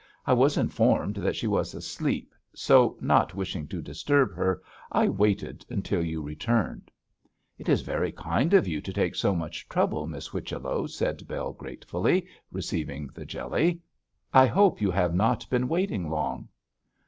I was informed that she was asleep, so, not wishing to disturb her, I waited until you returned.' 'It is very kind of you to take so much trouble, Miss Whichello,' said Bell, gratefully receiving the jelly. 'I hope you have not been waiting long.'